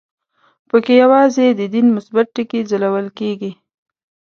په کې یوازې د دین مثبت ټکي ځلول کېږي.